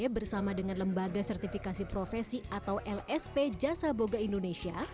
bersama dengan lembaga sertifikasi profesi atau lsp jasa boga indonesia